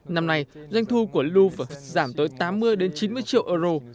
năm nay doanh thu của louvre giảm tới tám mươi chín mươi triệu euro